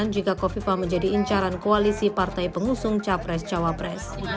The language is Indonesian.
jika kofifa menjadi incaran koalisi partai pengusung capres cawapres